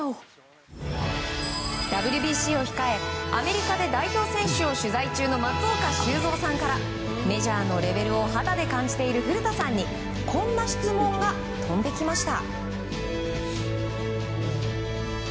ＷＢＣを控えアメリカで代表選手を取材中の松岡修造さんからメジャーのレベルを肌で感じている古田さんにこんな質問が飛んできました。